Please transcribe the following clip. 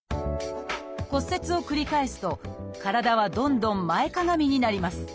骨折を繰り返すと体はどんどん前かがみになります。